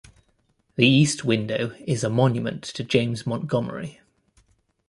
The east window is a monument to James Montgomery.